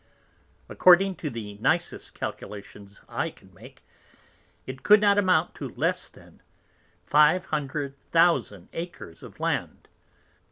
According to the nicest Calculations I can make, it cou'd not amount to less than 500000 Acres of Land.